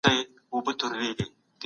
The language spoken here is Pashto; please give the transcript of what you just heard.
قانون ته درناوی ښودل کېږي.